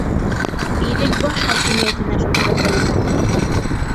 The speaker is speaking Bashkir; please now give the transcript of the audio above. Иҙелбаш хакимиәтенә шылтыратайым әле.